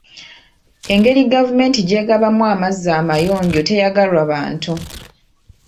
Engeri gavumenti gy'egabamu amazzi amayonjo teyagalwa bantu.